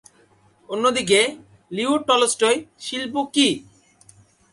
অন্যদিকে, Leo Tolstoy শিল্প কি?